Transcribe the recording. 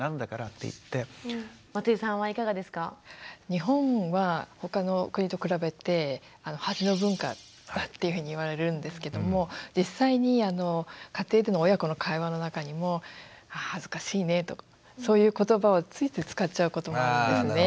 日本は他の国と比べて恥の文化だっていうふうに言われるんですけども実際に家庭での親子の会話の中にも「あ恥ずかしいね」とそういう言葉をついつい使っちゃうこともあるんですね。